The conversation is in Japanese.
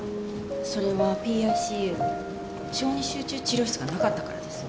それはＰＩＣＵ小児集中治療室がなかったからです。